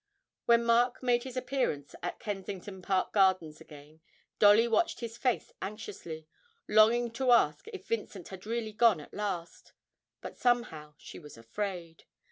When Mark made his appearance at Kensington Park Gardens again, Dolly watched his face anxiously, longing to ask if Vincent had really gone at last, but somehow she was afraid.